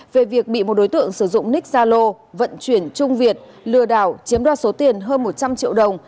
về việc bị một đối tượng sử dụng ních gia lô vận chuyển trung việt lừa đảo chiếm đoạt số tiền hơn một trăm linh triệu đồng